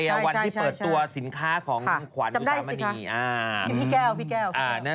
ทำไมที่เปิดตัวสินค้าของขวัญอัตรีอุตสามารณี